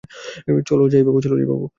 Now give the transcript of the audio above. চল যাই, বাবু।